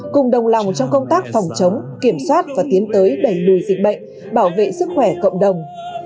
cùng đồng lòng trong công tác phòng chống kiểm soát và tiến tới đẩy lùi dịch bệnh bảo vệ sức khỏe cộng đồng